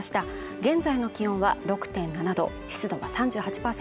現在の気温は６．７度湿度は３８％